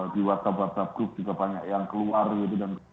di wartabatab group juga banyak yang keluar gitu dan